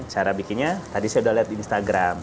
cara bikinnya tadi saya udah lihat di instagram